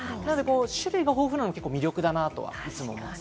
種類が豊富なのは魅力だなとは思います。